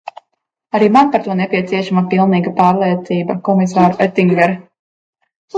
Arī man par to nepieciešama pilnīga pārliecība, komisār Oettinger.